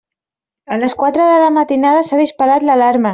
A les quatre de la matinada s'ha disparat l'alarma.